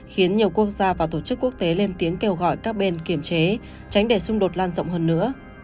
khiến nhiều quốc gia và tổ chức quốc tế lên tiếng kêu gọi các bên kiểm chế tránh để xung đột lan rộng hơn nữa